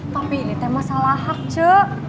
tapi ini teh masalah hak ce